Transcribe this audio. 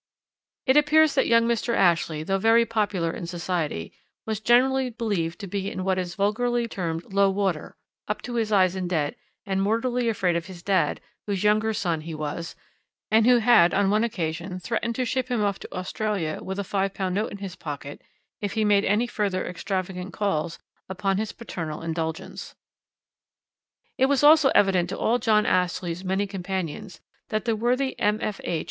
"It appears that young Mr. Ashley, though very popular in society, was generally believed to be in what is vulgarly termed 'low water'; up to his eyes in debt, and mortally afraid of his dad, whose younger son he was, and who had on one occasion threatened to ship him off to Australia with a £5 note in his pocket if he made any further extravagant calls upon his paternal indulgence. "It was also evident to all John Ashley's many companions that the worthy M.F.H.